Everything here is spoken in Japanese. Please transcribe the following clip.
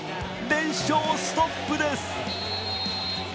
連勝ストップです